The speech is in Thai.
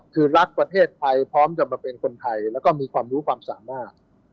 คือรักประเทศไทยพร้อมจะมาเป็นคนไทยแล้วก็มีความรู้ความสามารถ